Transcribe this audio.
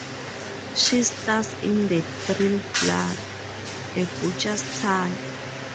She stars in the thriller Blood: A Butcher's Tale.